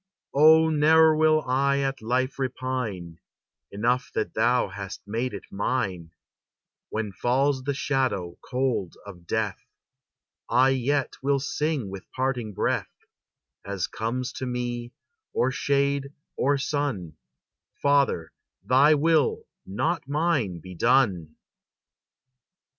Oh, ne'er will I at life repine; Enough that thou hast made it mine; When falls the shadow cold of death, I yet will sing with parting breath: As comes to me or shade or sun, Father, thy will, not mine, be done!